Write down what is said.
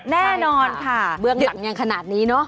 แน่นอนค่ะเบื้องหลังยังขนาดนี้เนอะ